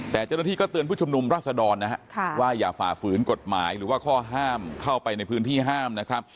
แต่เจ้าหน้าที่ก็เตือนผู้ชุมนุมราชดรนะฮะว่าอย่าฝ่าฝืนกฎหมายหรือว่าข้อห้ามเข้าไปในพื้นที่ห้ามนะครับ